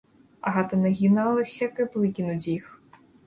Агата нагіналася, каб выкінуць іх.